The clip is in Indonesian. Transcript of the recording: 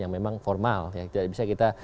yang memang formal bisa kita